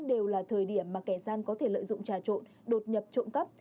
đều là thời điểm mà kẻ gian có thể lợi dụng trà trộn đột nhập trộm cắp